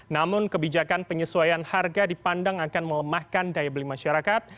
namun kebijakan penyesuaian harga dipandang akan melemahkan daya beli masyarakat